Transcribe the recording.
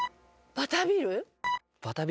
バタービール？